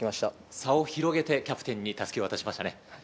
差を広げてキャプテンに襷を渡しましたね。